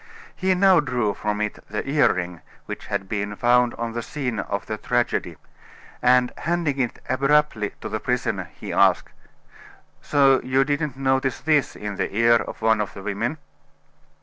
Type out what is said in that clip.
He now drew from it the earring which had been found on the scene of the tragedy, and handing it abruptly to the prisoner, he asked: "So you didn't notice this in the ear of one of the women?"